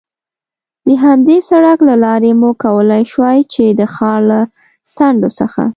د همدې سړک له لارې مو کولای شوای، چې د ښار له څنډو څخه.